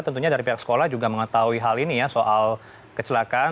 tentunya dari pihak sekolah juga mengetahui hal ini ya soal kecelakaan